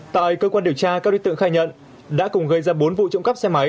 tại cơ quan điều tra các đối tượng khai nhận đã cùng gây ra bốn vụ trộm cắp xe máy